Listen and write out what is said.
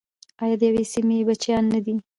آیا د یوې سیمې بچیان نه دي؟